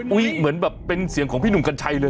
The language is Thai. เหมือนแบบเป็นเสียงของพี่หนุ่มกัญชัยเลย